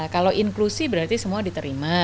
kalau inklusi berarti semua diterima